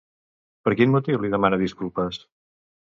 Per quin motiu li demana disculpes?